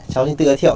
cháu xin tự giới thiệu